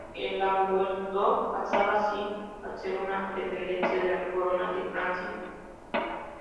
El Languedoc pasaba así a ser una dependencia de la corona de Francia.